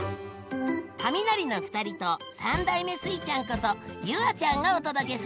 カミナリの２人と３代目スイちゃんこと夕空ちゃんがお届けする。